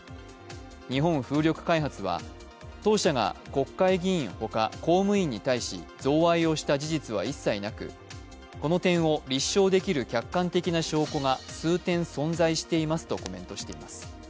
日本風力開発は、当社が国会議員ほか公務員に対し、贈賄をした事実は一切なく、この点を立証できる客観的な証拠が数点存在していますとコメントしています。